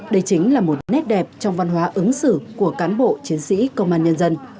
đây chính là một nét đẹp trong văn hóa ứng xử của cán bộ chiến sĩ công an nhân dân